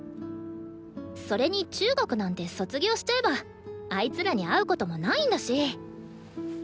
それに中学なんて卒業しちゃえばあいつらに会うこともないんだし。